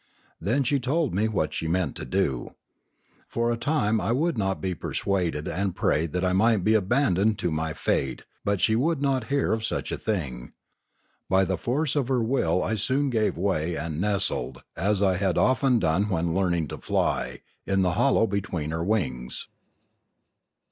Then she told me what she meant to do. For a time I would not be persuaded and prayed that I might be abandoned to my fate, but she would not hear of such a thing. By the force of her will I soon gave way and nestled, as I The Last Flight 705 had often done when learning to fly, in the hollow be tween her wings.